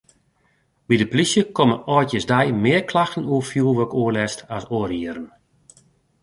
By de polysje komme âldjiersdei mear klachten oer fjoerwurkoerlêst as oare jierren.